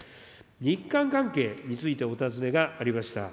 日韓関係についてお尋ねがありました。